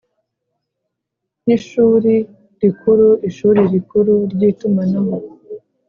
Nk ishuri rikuru ishuri rikuru ry itumanaho